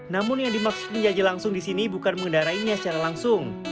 namun yang dimaksud menjajah langsung di sini bukan mengendarainya secara langsung